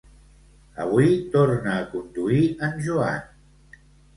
Avui torna a conduir en Joan